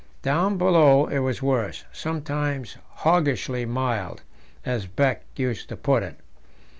Down below it was worse; sometimes "hoggishly mild," as Beck used to put it.